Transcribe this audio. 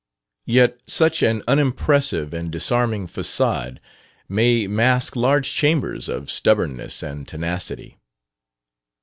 Yet such an unimpressive and disarming façade may mask large chambers of stubbornness and tenacity.